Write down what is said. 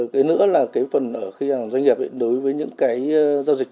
cái nữa là cái phần ở khi doanh nghiệp đối với những cái giao dịch